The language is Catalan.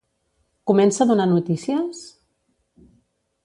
Comença a donar notícies?